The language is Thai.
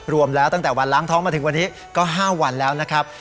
รวมแล้วตั้งแต่วันล้างท้องมาถึงวันนี้ก็๕วันแล้วนะครับ